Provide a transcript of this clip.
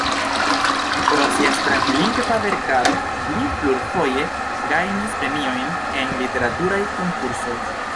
Pro sia esperantlingva verkaro li plurfoje gajnis premiojn en literaturaj konkursoj.